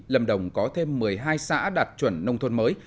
lâm đồng có thêm một mươi hai xã đạt chuẩn nông thôn mới